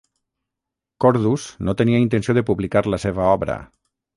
Cordus no tenia intenció de publicar la seva obra.